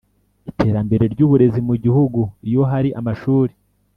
iterambere ry uburezi mu gihugu Iyo hari amashuri